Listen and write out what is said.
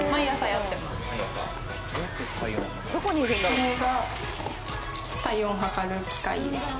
これが体温を計る機械です。